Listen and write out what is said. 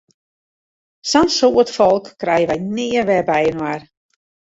Sa'n soad folk krije wy nea wer byinoar!